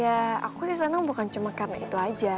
ya aku sih senang bukan cuma karena itu aja